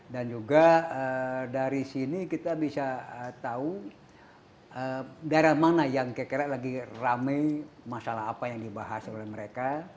dan juga dari sini kita bisa tahu daerah mana yang kira kira lagi rame masalah apa yang dibahas oleh mereka